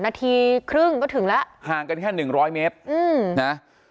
นาทีครึ่งก็ถึงแล้วห่างกันแค่หนึ่งร้อยเมตรอืมนะ